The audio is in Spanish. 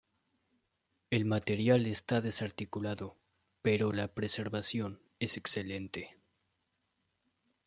El material está desarticulado pero la preservación es excelente.